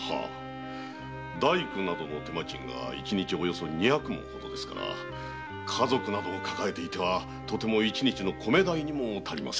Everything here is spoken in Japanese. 大工などの手間賃が一日二百文ほどですから家族などを抱えては一日の米代にも足りません。